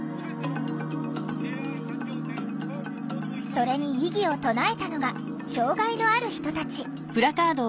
それに異議を唱えたのが障害のある人たち。